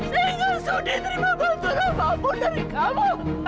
saya gak sudi terima bantuan apapun dari kamu